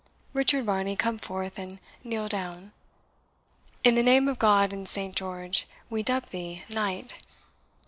Richard Varney, come forth, and kneel down. In the name of God and Saint George, we dub thee knight!